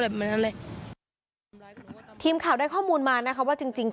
แบบนั้นเลยทีมข่าวได้ข้อมูลมานะคะว่าจริงจริง